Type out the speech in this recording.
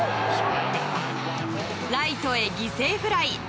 ライトへ犠牲フライ。